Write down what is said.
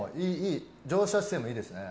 乗車姿勢もいいですね。